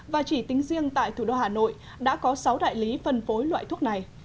và chỉ tính riêng tại thủ đô hà nội đã có sáu đại lý phân phối loại thuốc này